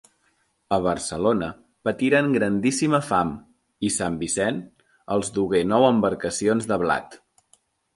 A Barcelona patiren grandíssima fam, i sant Vicent els dugué nou embarcacions de blat.